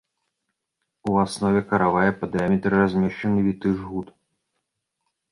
У аснове каравая па дыяметры размешчаны віты жгут.